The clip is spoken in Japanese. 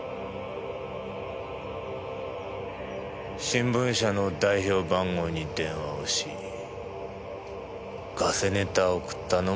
新聞社の代表番号に電話をしガセネタを送ったのもあんただ。